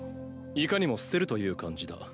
いかにも捨てるという感じだ。